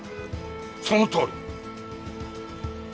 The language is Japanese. そのとおり！